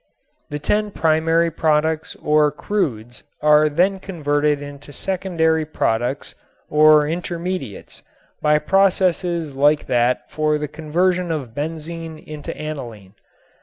The ten primary products or crudes are then converted into secondary products or "intermediates" by processes like that for the conversion of benzene into aniline.